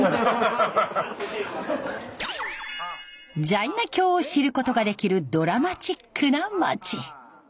ジャイナ教を知ることができるドラマチックな街。